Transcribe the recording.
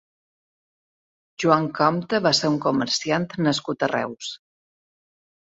Joan Compte va ser un comerciant nascut a Reus.